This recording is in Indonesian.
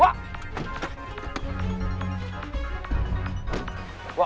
mira mau ngaku juga